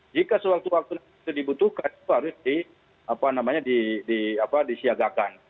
jika sewaktu waktu itu dibutuhkan itu harus disiagakan